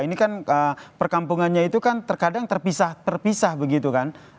ini kan perkampungannya itu kan terkadang terpisah terpisah begitu kan